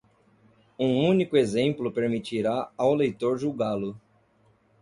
Um único exemplo permitirá ao leitor julgá-lo.